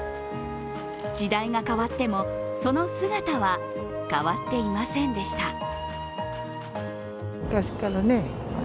時代が変わっても、その姿は変わっていませんでした。